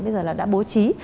bây giờ là đã bố trí